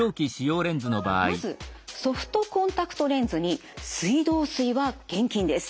まずソフトコンタクトレンズに水道水は厳禁です。